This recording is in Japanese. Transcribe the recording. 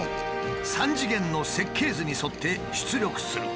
３次元の設計図に沿って出力する。